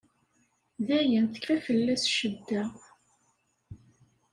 Dayen tekkfa fell-as ccedda.